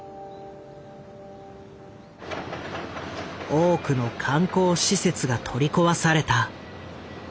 多くの観光施設が取り壊された。